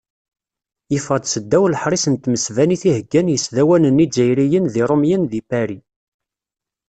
Yeffeɣ-d s ddaw leḥṛis n tmesbanit i heggan yisdawanen izzayriyen d iṛumyen di Pari.